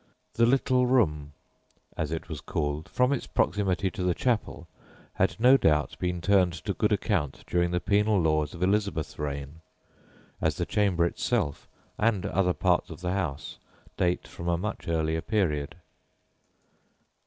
"The little room," as it was called, from its proximity to the chapel, had no doubt been turned to good account during the penal laws of Elizabeth's reign, as the chamber itself and other parts of the house date from a much earlier period.